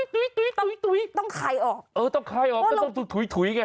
ต้องไขออกเออต้องไขออกต้องถุ้ยไง